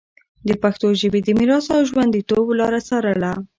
د پښتو ژبي د میراث او ژونديتوب لاره څارله